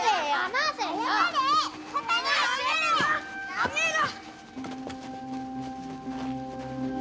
やめろ！